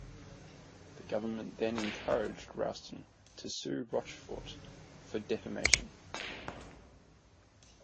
The government then encouraged Roustan to sue Rochefort for defamation.